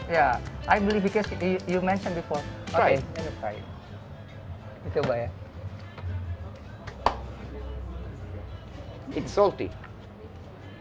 ya saya percaya karena kamu sudah menyebutkan sebelumnya